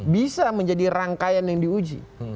bisa menjadi rangkaian yang diuji